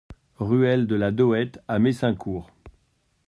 Ruelle de la Dohette à Messincourt